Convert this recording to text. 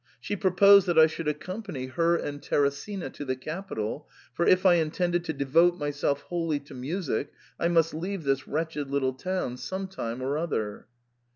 She proposed that I should accom pany her and Teresina to the capital, for if I intended to devote myself wholly to music I must leave this wretched little town some time or other.